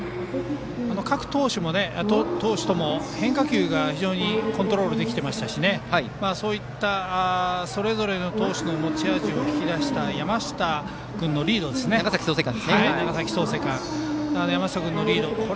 各投手とも変化球がコントロールできてましたしそういった、それぞれの投手の持ち味を引き出した長崎・創成館の山下君のリードですね。